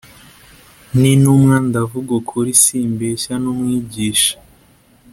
n intumwa ndavuga ukuri simbeshya n umwigisha